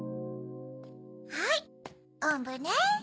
はいおんぶね。